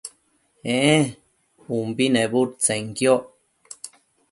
ee umbi nebudtsenquioc